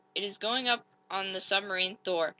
"It is going up on the submarine 'Thor.'